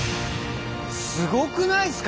すごくないすか？